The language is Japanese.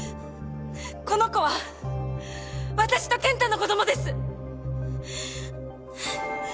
この子は私と健太の子供です！